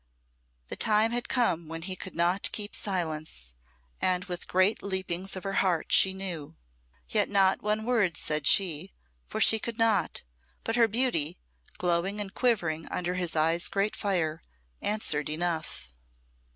The time had come when he could not keep silence, and with great leapings of her heart she knew. Yet not one word said she, for she could not; but her beauty, glowing and quivering under his eyes' great fire, answered enough.